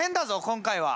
今回は！